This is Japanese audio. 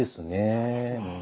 そうですね。